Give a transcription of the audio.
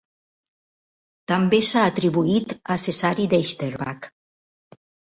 També s'ha atribuït a Cessari d'Heisterbach.